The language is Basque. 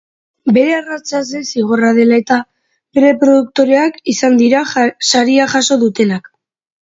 Bere arrastatze zigorra dela eta, bere produktoreak izan dira saria jaso dutenak.